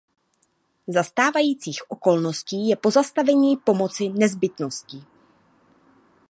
Za stávajících okolností je pozastavení pomoci nezbytností.